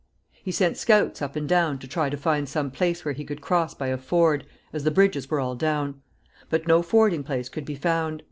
He sent scouts up and down to try to find some place where he could cross by a ford, as the bridges were all down; but no fording place could be found.